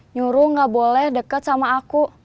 nyuruh gak boleh deket sama aku